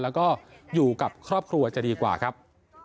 แล้วก็อยู่กับครอบครัวจะดีกว่าครับ